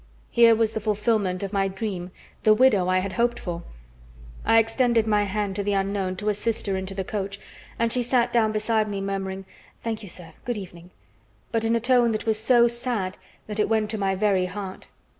Here was the fulfillment of my dream, the widow I had hoped for. I extended my hand to the unknown to assist her into the coach, and she sat down beside me, murmuring: "Thank you, sir. Good evening," but in a tone that was so sad that it went to my very heart.